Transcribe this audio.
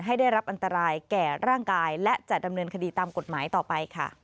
ได้รับอันตรายแก่ร่างกายและจะดำเนินคดีตามกฎหมายต่อไปค่ะ